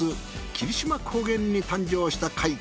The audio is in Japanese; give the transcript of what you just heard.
霧島高原に誕生した界霧島。